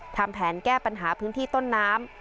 ทำแผนแก้ปัญหาพื้นที่ต้นน้ำ